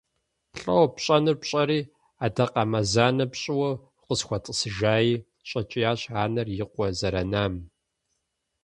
ЛӀо, пщӀэнур пщӀэри, адакъэмазэнэ пщӀыуэ укъысхуэтӀысыжаи, – щӀэкӀиящ анэр и къуэ зэранам.